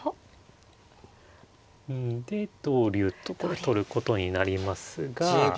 うんで同竜とこれ取ることになりますが。